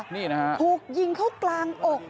นี่นะฮะถูกยิงเข้ากลางอก